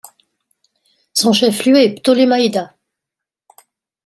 Son chef-lieu est Ptolémaïda.